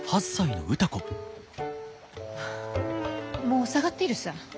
もう下がっているさ。